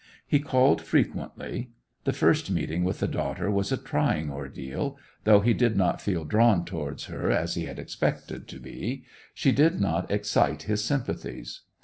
He called frequently. The first meeting with the daughter was a trying ordeal, though he did not feel drawn towards her as he had expected to be; she did not excite his sympathies.